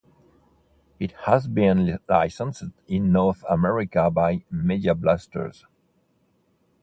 It has been licensed in North America by Media Blasters.